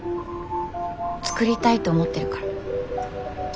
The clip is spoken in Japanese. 作りたいと思ってるから。